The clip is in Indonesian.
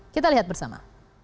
kita lihat bersama